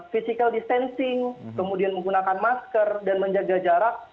physical distancing kemudian menggunakan masker dan menjaga jarak